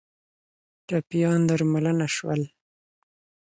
ټپیان درملنه شول